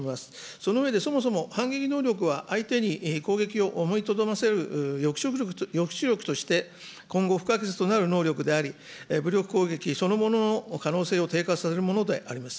その上で、そもそも反撃能力は相手に攻撃を思いとどまらせる抑止力として今後、不可欠となる能力であり、武力攻撃そのものの可能性を低下させるものであります。